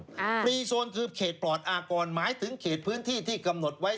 ฟรีโซนคือเขตปลอดอากรหมายถึงเขตพื้นที่ที่กำหนดไว้